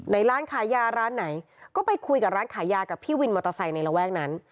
ในร้านขายยาร้านไหนก็ไปคุยกับร้านขายยากับพี่วินมอเตอร์ไซค์ในระแวกนั้น